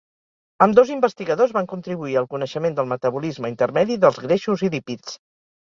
Ambdós investigadors van contribuir al coneixement del metabolisme intermedi dels greixos i lípids.